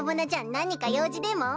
何か用事でも？